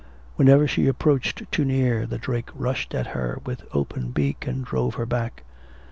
Whenever she approached too near, the drake rushed at her with open beak, and drove her back.